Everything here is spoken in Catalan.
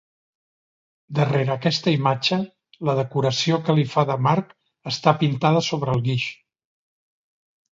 Darrere aquesta imatge, la decoració que li fa de marc està pintada sobre el guix.